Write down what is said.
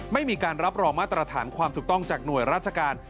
ไม่มีการรับรองมาตรฐานความถูกต้องจากหน่วยราชการ